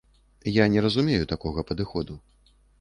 Я не разумею такога падыходу.